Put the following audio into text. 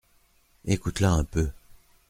Écoute-la un peu !